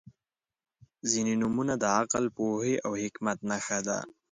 • ځینې نومونه د عقل، پوهې او حکمت نښه ده.